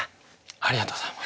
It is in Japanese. ありがとうございます。